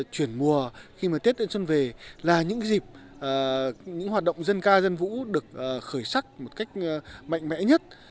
chuyển mùa khi mà tết đến xuân về là những dịp hoạt động dân ca dân vũ được khởi sắc một cách mạnh mẽ nhất